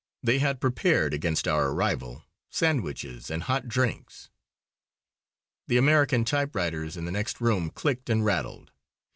They had prepared, against our arrival, sandwiches and hot drinks. The American typewriters in the next room clicked and rattled.